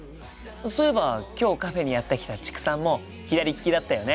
そういえば今日カフェにやって来た知久さんも左利きだったよね。